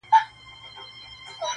زه لا اوس روانېدمه د توپان استازی راغی-